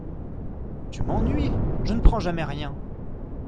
Tu m’ennuies !… je ne prends jamais rien !…